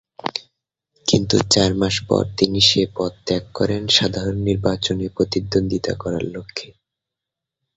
কিন্তু চার মাস পর তিনি সে পদ ত্যাগ করেন সাধারণ নির্বাচনে প্রতিদ্বন্দ্বিতা করার লক্ষ্যে।